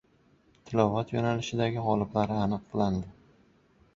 Tilovat yo‘nalishida g‘oliblar aniqlandi